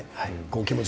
気持ち